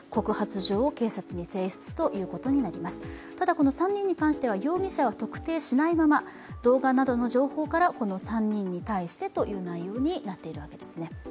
この３人に関しては容疑者は特定しないまま動画などの情報から、この３人に対してという内容になっているわけですね。